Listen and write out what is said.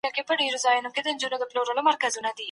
د هارود او دومار نظرونه لا هم مهم دي.